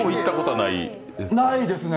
ないですね。